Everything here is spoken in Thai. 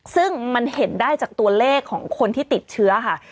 ซึ่งมันเห็นได้จากตัวเลขของคนที่ติดเชื้อค่ะ